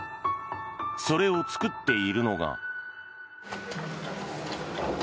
それを作っているのが。